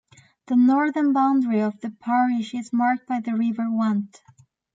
The northern boundary of the parish is marked by the River Went.